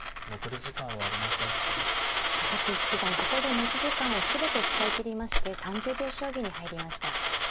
ここで持ち時間を全て使い切りまして３０秒将棋に入りました。